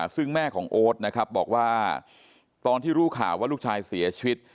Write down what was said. ซึ่งแม่ของโอ๊ตนะครับบอกว่าตอนที่รู้ข่าวว่าลูกชายเสียชีวิต